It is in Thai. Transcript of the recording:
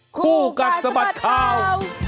ครูกัลสมัติข่าว